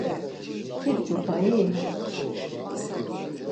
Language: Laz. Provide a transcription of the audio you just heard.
Yep̌ç̌opai?